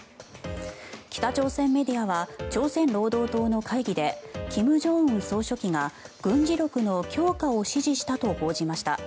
北朝鮮メディアは朝鮮労働党の会議で金正恩総書記が軍事力の強化を指示したと報じました。